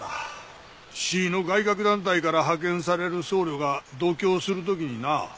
市の外郭団体から派遣される僧侶が読経する時にな。